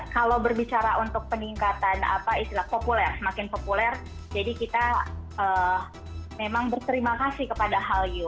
kalau berbicara untuk peningkatan apa istilah populer semakin populer jadi kita memang berterima kasih kepada hallyu